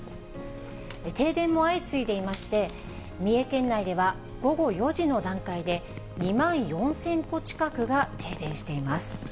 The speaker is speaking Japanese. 停電も相次いでいまして、三重県内では午後４時の段階で、２万４０００戸近くが停電しています。